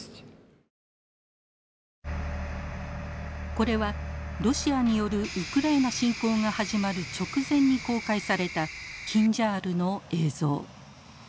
これはロシアによるウクライナ侵攻が始まる直前に公開されたキンジャールの映像。